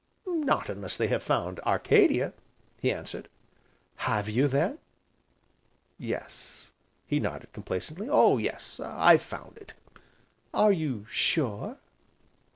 "Not unless they have found Arcadia," he answered. "Have you then?" "Yes," he nodded complacently, "oh yes, I've found it." "Are you sure?"